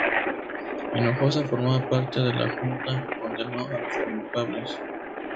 Hinojosa formaba parte de la junta que condenó a los culpables.